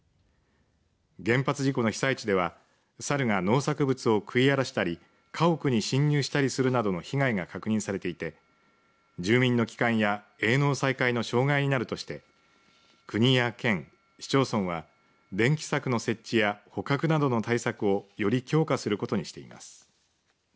原発事故の被災地では猿が農作物を食い荒らしたり家屋に侵入したりするなどの被害が確認されていて住民の帰還や営農再開の障害になるとして国や県市町村は電気柵の設置や捕獲などの対策をより強化することにしています。